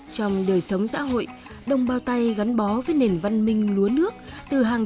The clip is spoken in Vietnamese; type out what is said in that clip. trong đời sống giã hội đồng bào tây gắn bó với nền văn minh lúa nước từ hàng trăm năm nay